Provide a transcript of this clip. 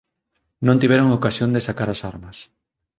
Non tiveron ocasión de sacar as armas.